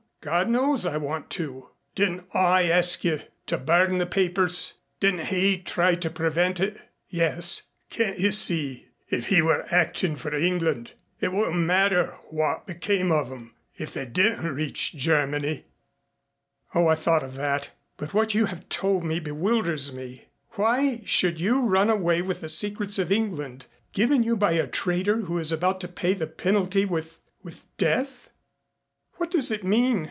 God knows I want to." "Didn't I ask you to burn the papers? Didn't he try to prevent it?" "Yes." "Can't you see? If he were acting for England, it wouldn't matter what became of 'em if they didn't reach Germany." "Oh, I thought of that but what you have told me bewilders me. Why should you run away with secrets of England given you by a traitor who is about to pay the penalty with with death? What does it mean?